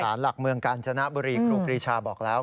สารหลักเมืองกาญจนบุรีครูปรีชาบอกแล้ว